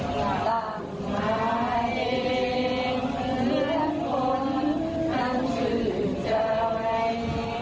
ทุกข้าเองคือทั้งคนทั้งชื่อใจ